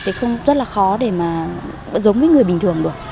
thì không rất là khó để mà giống với người bình thường được